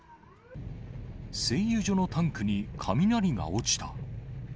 製油所のタンクに雷が落ちた。